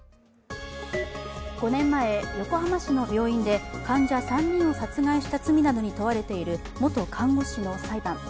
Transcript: ５年前、横浜市の病院で患者４人を殺害した罪などに問われている元看護師の裁判。